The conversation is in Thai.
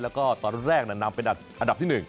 แล้วก็ตอนแรกนั้นนำไปดัดอันดับที่๑